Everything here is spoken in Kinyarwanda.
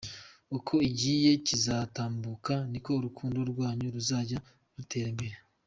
Uko igihe kizatambuka niko urukundo rwanyu ruzajya rutera imbere.